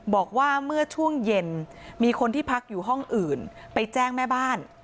บอกว่าเมื่อช่วงเย็นมีคนที่พักอยู่ห้องอื่นไปแจ้งแม่บ้าน